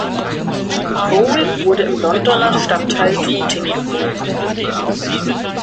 Cole wurde im Londoner Stadtteil Tooting geboren.